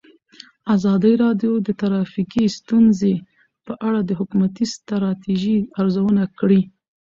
ازادي راډیو د ټرافیکي ستونزې په اړه د حکومتي ستراتیژۍ ارزونه کړې.